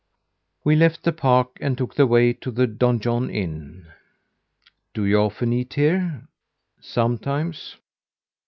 We left the park and took the way to the Donjon Inn. "Do you often eat here?" "Sometimes."